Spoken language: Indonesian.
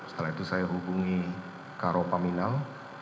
setelah itu saya hubungi karo paminal